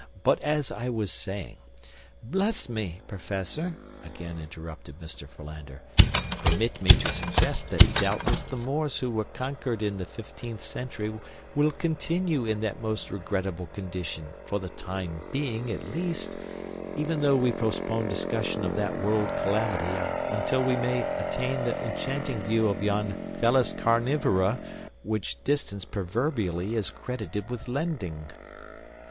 But as I was saying—" "Bless me, Professor," again interrupted Mr. Philander; "permit me to suggest that doubtless the Moors who were conquered in the fifteenth century will continue in that most regrettable condition for the time being at least, even though we postpone discussion of that world calamity until we may attain the enchanting view of yon Felis carnivora which distance proverbially is credited with lending."